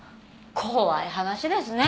怖い話ですね。